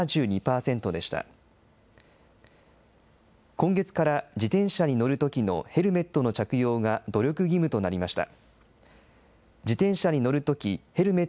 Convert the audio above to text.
今月から自転車に乗るときのヘルメットの着用が努力義務となりました。